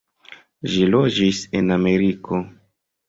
Ĝi loĝis en Ameriko.